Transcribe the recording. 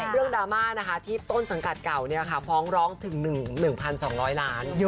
เรื่องดราม่านะคะที่ต้นสังกัดเก่าเนี่ยค่ะพ้องร้องถึง๑๒๐๐ล้าน